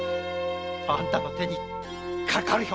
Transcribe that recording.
あんたの手にかかるよ。